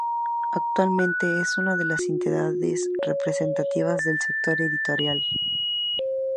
Actualmente es una de las entidades representativas del sector editorial.